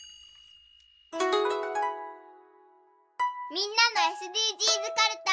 みんなのＳＤＧｓかるた。